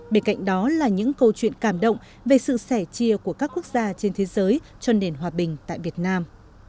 bên cạnh đó là những câu chuyện cảm động về sự sẻ chia của các quốc gia trên thế giới cho nền hòa bình tại việt nam